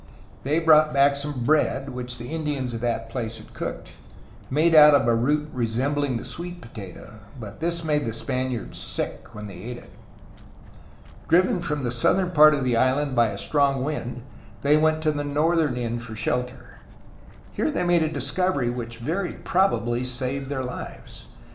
They brought back some bread which the Indians of that place had cooked, made out of a root resembfing the sweet potato, but this made the Spaniards sick when they ate it. Driven from the southern part of the island by a strong wind, they went to the northern end for shelter. Here they made a dis covery which very probably saved their lives.